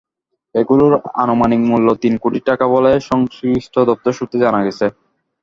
এগুলোর আনুমানিক মূল্য তিন কোটি টাকা বলে সংশ্লিষ্ট দপ্তর সূত্রে জানা গেছে।